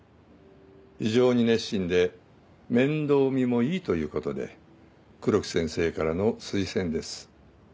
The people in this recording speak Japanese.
非常に熱心で面倒見もいいということで黒木先生からの推薦です。